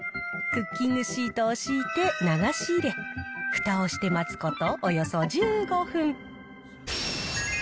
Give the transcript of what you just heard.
クッキングシートを敷いて流し入れ、ふたをして待つことおよそ１５分。